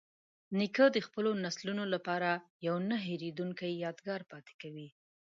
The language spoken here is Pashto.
نیکه د خپلو نسلونو لپاره یوه نه هیریدونکې یادګار پاتې کوي.